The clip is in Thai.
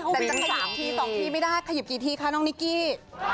แต่จะ๓ที๒ทีไม่ได้ขยิบกี่ทีคะน้องนิกกี้